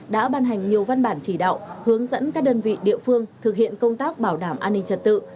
đã ban hành nhiều văn bản chỉ đạo hướng dẫn các đơn vị địa phương thực hiện công tác bảo đảm an ninh trật tự